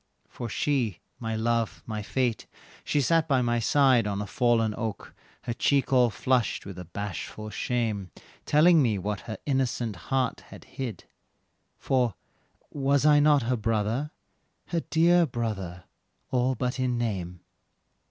For she, my love, my fate, she sat by my side On a fallen oak, her cheek all flushed with a bashful shame, Telling me what her innocent heart had hid "For was not I her brother, her dear brother, all but in name."